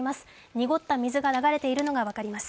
濁った水が流れているのが分かります。